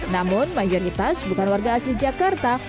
namun mayoritas bukan warga asli jakarta